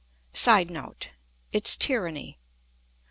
[Sidenote: Its tyranny.